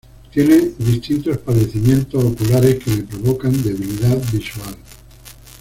Tiene distintos padecimientos oculares que le provocan debilidad visual.